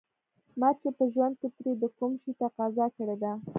ما چې په ژوند کې ترې د کوم شي تقاضا کړې ده.